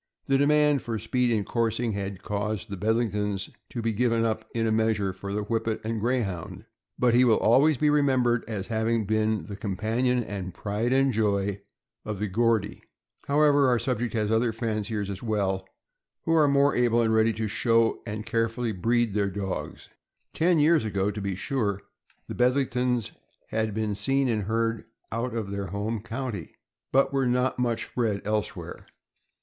The demand for speed in coursing had caused the Bedlingtons to be given up, in a measure, for the Whippet and Greyhound; but he will always be remembered as having been the companion and pride . and joy of the "Geordie." However, our subject has other fanciers as well who are more able and ready to show and carefully breed their dogs. Ten years ago, to be sure, the Bedlingtons had been seen and heard of out of their home county, but were not much bred elsewhere.